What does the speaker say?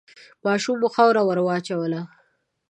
ماشوم خاوره وواچوله.